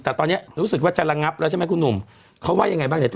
แต่ตอนนี้รู้สึกว่าจะระงับแล้วใช่ไหมคุณหนุ่มเขาว่ายังไงบ้างเนี่ย